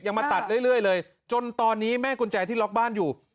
มาตัดเรื่อยเลยจนตอนนี้แม่กุญแจที่ล็อกบ้านอยู่